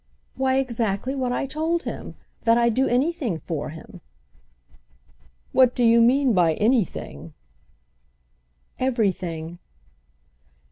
"Why exactly what I told him. That I'd do anything for him." "What do you mean by 'anything'?" "Everything."